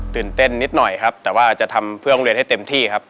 เต้นนิดหน่อยครับแต่ว่าจะทำเพื่อโรงเรียนให้เต็มที่ครับ